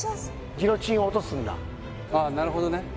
ああなるほどね